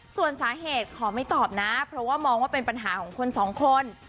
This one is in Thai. ส่วนสาเหตุขอไม่ตอบนะเพราะว่ามองว่าเป็นปัญหาของคนสองคน